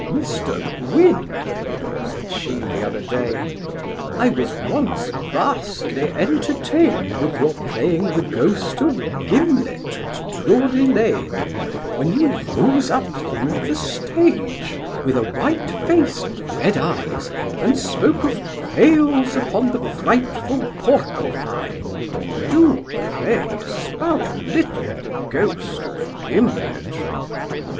'Mr Gwynn (said she the other day) I was once vastly entertained with your playing the Ghost of Gimlet at Drury lane, when you rose up through the stage, with a white face and red eyes, and spoke of quails upon the frightful porcofine Do, pray, spout a little the Ghost of Gimlet.